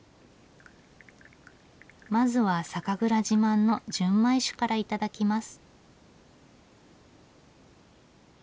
まずは酒蔵自慢の純米酒から頂きます。